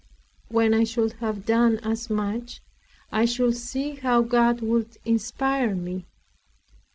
When I should have done as much, I should see how God would inspire me.